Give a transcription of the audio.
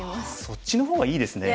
そっちの方がいいですね。